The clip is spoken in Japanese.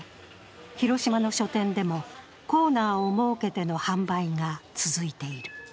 広島の書店でもコーナーを設けての販売が続いている。